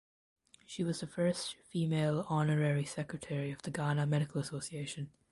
She was the first female Honorary Secretary of the Ghana Medical Association.